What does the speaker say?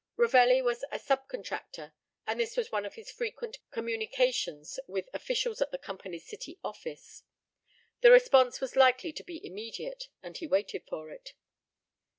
Ravelli was a sub contractor, and this was one of his frequent communications with officials at the company's city office. The response was likely to be immediate, and he waited for it.